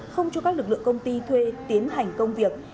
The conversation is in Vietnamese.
không cho các lực lượng công ty thuê tiến hành công việc